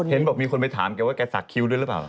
เห็นบอกมีคนไปถามแกว่าแกสักคิวด้วยหรือเปล่า